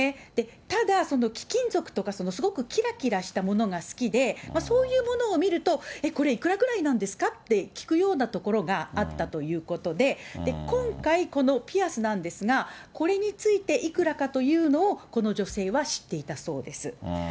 ただ、貴金属とか、すごくきらきらしたものが好きで、そういうものを見ると、え、これいくらぐらいなんですか？って聞くようなところがあったということで、今回、このピアスなんですが、これについていくらかというのを、この女性は知っていたそうです。